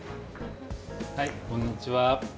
はいこんにちは。